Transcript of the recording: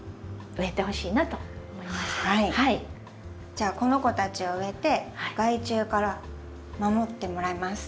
じゃあこの子たちを植えて害虫から守ってもらいます。